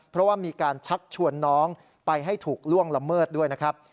เพราะว่ามีการชักชวนน้องไปให้ถูกล่วงละเมิดด้วยนะครับ